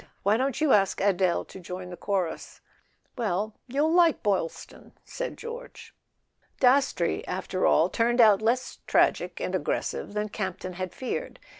Why don't you ask Adele to join the chorus?" "Well—you'll like Boylston," said George. Dastrey, after all, turned out less tragic and aggressive than Campton had feared.